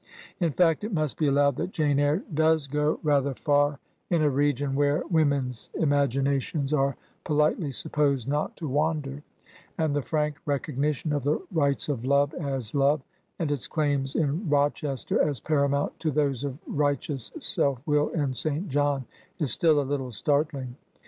In fact, it must be allowed that "Jane Eyre" does go rather far in a region where women's imaginations are politely supposed not to wander; and the frank recognition of the rights of love as love, and its claims in Rochester as paramount to those of righteous self will in St. John, is still a little startling.